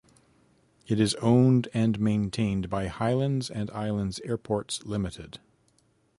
It is owned and maintained by Highlands and Islands Airports Limited.